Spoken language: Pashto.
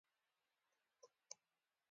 طلاقي د پردو ښځو هم بد ايسي د طلاق بدوالی ښيي